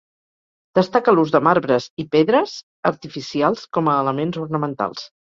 Destaca l'ús de marbres i pedres artificials com a elements ornamentals.